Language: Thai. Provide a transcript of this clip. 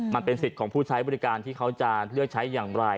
มันเป็นสิทธิ์ของผู้ใช้บริการที่เขาจะเลือกใช้อย่างไร